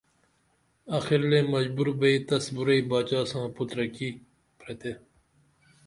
آخر لے مجبور بئی تس بُراعی باچا ساں پُترہ کی پرتے